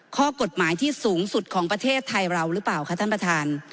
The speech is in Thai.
ข้อกฎหมายที่สูงสุดของประเทศไทยเราหรือเปล่าคะท่านประธาน